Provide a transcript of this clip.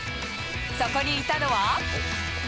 そこにいたのは。